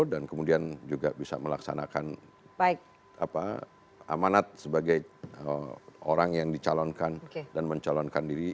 dan kemudian juga bisa melaksanakan amanat sebagai orang yang dicalonkan dan mencalonkan diri